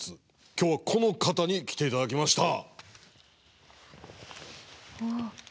今日はこの方に来て頂きました。